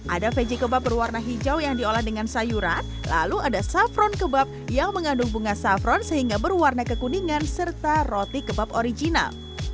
ada veggie kebab berwarna hijau yang diolah dengan sayuran lalu ada saffron kebab yang mengandung bunga saffron sehingga berwarna kekuningan serta roti kebab original